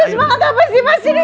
semangat apa sih mas ini